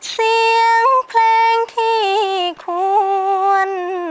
เสียงเพลงที่ควร